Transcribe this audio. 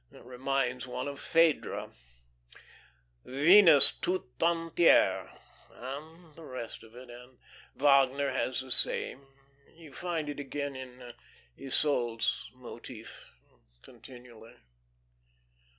It reminds one of 'Phedre' 'Venus toute entiere,' and the rest of it; and Wagner has the same. You find it again in Isolde's motif continually."